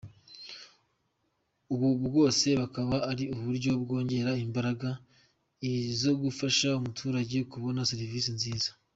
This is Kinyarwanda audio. Ubu bwose bukaba ari uburyo bwongera imbaraga i zogufasha umuturajye kubona serivisi nziza.